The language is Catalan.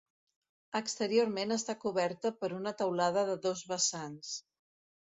Exteriorment està coberta per una teulada de dos vessants.